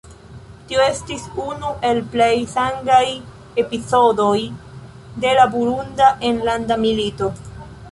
Tio estis unu el plej sangaj epizodoj de la Burunda enlanda milito.